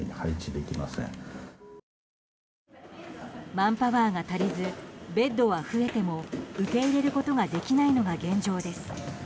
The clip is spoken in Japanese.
マンパワーが足りずベッドは増えても受け入れることができないのが現状です。